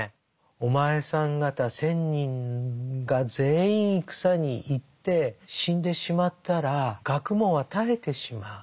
「お前さん方千人が全員戦に行って死んでしまったら学問は絶えてしまう。